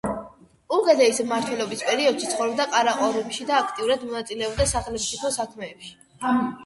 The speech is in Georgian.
უგედეის მმართველობის პერიოდში ცხოვრობდა ყარაყორუმში და აქტიურად მონაწილეობდა სახელმწიფო საქმეებში.